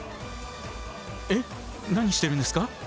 えっ何してるんですか？